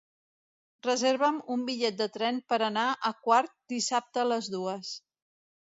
Reserva'm un bitllet de tren per anar a Quart dissabte a les dues.